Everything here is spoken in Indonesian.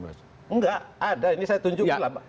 enggak ada ini saya tunjukin lah